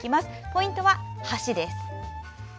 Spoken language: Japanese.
ポイントは橋です。